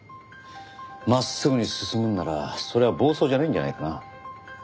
真っすぐに進むならそれは暴走じゃないんじゃないかな。